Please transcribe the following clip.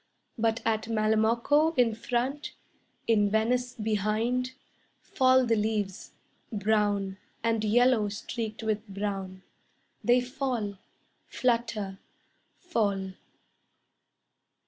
But at Malamocco in front, In Venice behind, Fall the leaves, Brown, And yellow streaked with brown. They fall, Flutter, Fall.